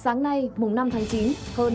sáng nay mùng năm tháng chín